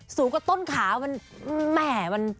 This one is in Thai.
สูงกว่าต้นขามันแหม่มัน